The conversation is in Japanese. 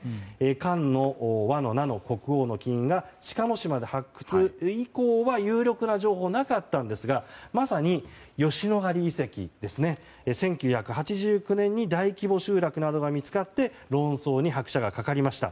漢委奴国王の金印が志賀島で発掘以降は有力な情報はなかったんですがまさに吉野ヶ里遺跡で１９８９年に大規模集落などが見つかり論争に拍車がかかりました。